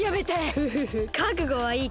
フフフかくごはいい？